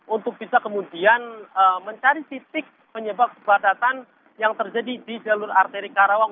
untuk bisa kemudian mencari titik penyebab kepadatan yang terjadi di jalur arteri karawang